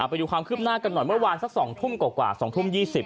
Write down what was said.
ไปดูความคืบหน้ากันหน่อยเมื่อวานสัก๒ทุ่มกว่า๒ทุ่ม๒๐